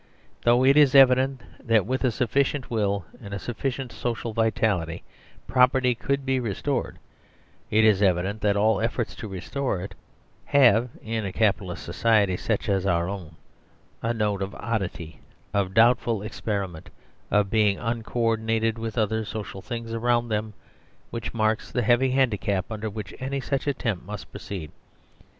Though it is evident that with a sufficient will and a sufficient social vitality property could be restored, it is evident that all efforts to restore it have in a Capitalist society such as our own a note of oddity, of doubtful experiment, of being unco ordinated with other social things around them, which marks the heavy handicap under which any such attempt must proceed.